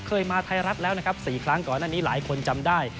เคยมาไทยรัฐแล้วนะครับ๔ครั้งก่อนหน้านี้หลายคนจำได้